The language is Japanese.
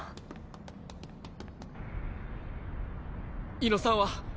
猪野さんは？